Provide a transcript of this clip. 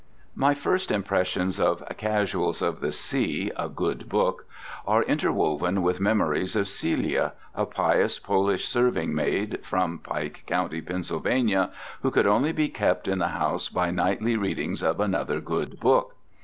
My first impressions of "Casuals of the Sea, a good book" are interwoven with memories of Celia, a pious Polish serving maid from Pike County, Pennsylvania, who could only be kept in the house by nightly readings of another Good Book.